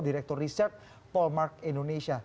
direktur research polmark indonesia